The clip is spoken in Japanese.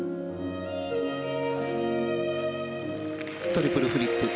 トリプルフリップ。